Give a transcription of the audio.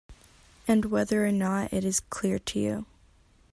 And whether or not it is clear to you